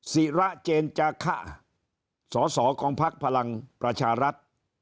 สิระเจนจาขะสอสอกองภักดิ์พลังประชารัฐ